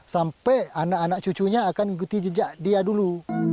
sampai anak anak cucunya akan mengikuti jejak dia dulu